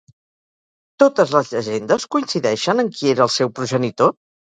Totes les llegendes coincideixen en qui era el seu progenitor?